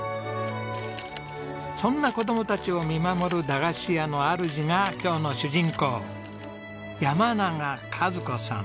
そんな子どもたちを見守る駄菓子屋の主が今日の主人公山永和子さん